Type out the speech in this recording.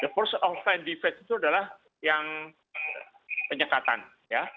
the first of find defense itu adalah yang penyekatan ya